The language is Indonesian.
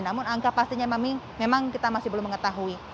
namun angka pastinya memang kita masih belum mengetahui